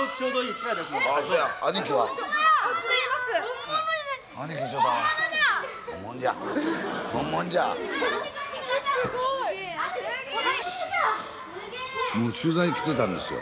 スタジオ取材来てたんですよ。